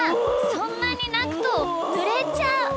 そんなになくとぬれちゃう。